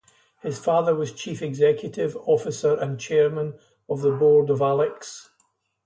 His father was Chief Executive Officer and Chairman of the Board of Alex.